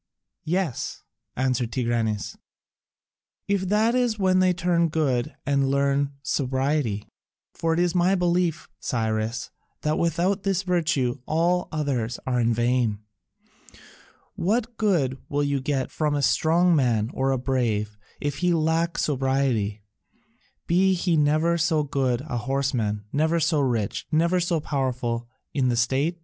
"Yes," answered Tigranes, "if that is when they turn to good and learn sobriety. For it is my belief, Cyrus, that without this virtue all others are in vain. What good will you get from a strong man or a brave if he lack sobriety, be he never so good a horseman, never so rich, never so powerful in the state?